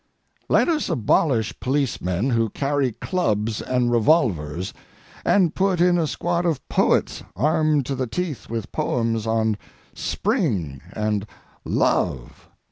Let us abolish policemen who carry clubs and revolvers, and put in a squad of poets armed to the teeth with poems on Spring and Love.